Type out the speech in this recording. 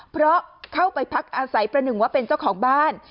เพราะเข้าไปพักอาศัยประหนึ่งว่าเป็นเจ้าของบ้าน